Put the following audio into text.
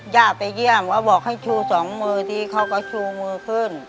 ย่าไปเยี่ยมเขาบอกให้ชูสองมือทีเขาก็ชูมือขึ้น